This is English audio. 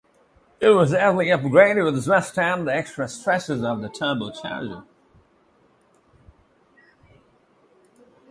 It was heavily upgraded to withstand the extra stresses of the turbocharger.